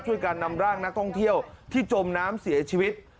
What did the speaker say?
การนำร่างนักท่องเที่ยวที่จมน้ำเสียชีวิต